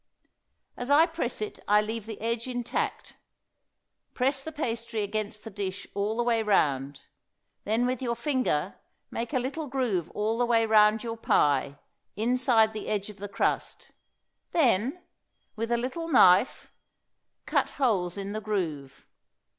As I press it I leave the edge intact; press the pastry against the dish all the way round; then with your finger make a little groove all the way round your pie, inside the edge of the crust; then, with a little knife, cut holes in the groove.